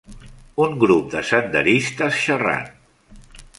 Un grup de senderistes xerrant